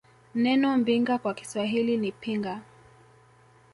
Neno Mbinga kwa Kiswahili ni Pinga